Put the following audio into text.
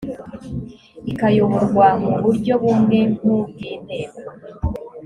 ikayoborwa mu buryo bumwe nk ubw inteko